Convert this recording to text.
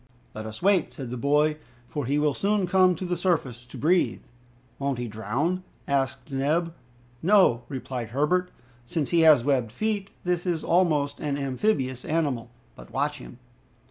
"Let us wait," said the boy, "for he will soon come to the surface to breathe." "Won't he drown?" asked Neb. "No," replied Herbert, "since he has webbed feet, and is almost an amphibious animal. But watch him."